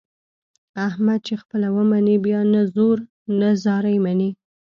احمد چې خپله ومني بیا نه زور نه زارۍ مني.